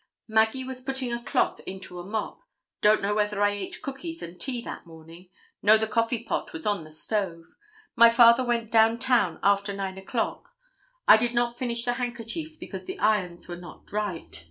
Maggie was putting a cloth into a mop. Don't know whether I ate cookies and tea that morning. Know the coffee pot was on the stove. My father went down town after 9 o'clock. I did not finish the handkerchiefs because the irons were not right.